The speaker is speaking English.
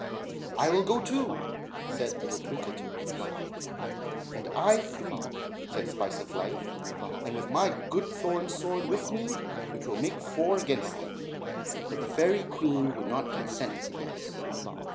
"I will go, too," said little Twinkle Toes. "And I, three," said Spice of Life; "and my good thorn sword with me, which will make four against them." But the fairy queen would not consent to this.